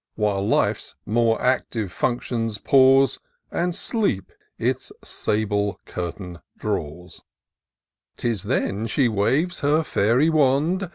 While Life's more active functions pause. And sleep its sable curtain draws : 'Tis then she waves her fairy wand.